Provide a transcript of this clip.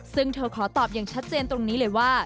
ซึ่งเธอขอตอบอย่างชัดเจนตรงนี้เลยว่า